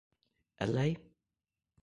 E lei?